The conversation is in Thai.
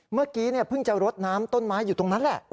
เมื่อกี้เพิ่งจะรดน้ำต้นไม้อยู่ตรงนั้นแหละ